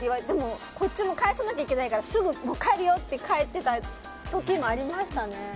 でも、こっちも返さなきゃいけないからすぐ帰るよって帰ってた時もありましたね。